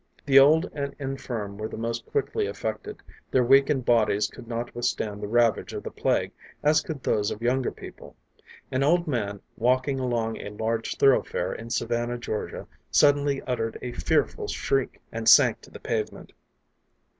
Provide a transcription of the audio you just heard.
The old and infirm were the most quickly affected; their weakened bodies could not withstand the ravage of the Plague as could those of younger people. An old man, walking along a large thoroughfare in Savannah, Georgia, suddenly uttered a fearful shriek and sank to the pavement.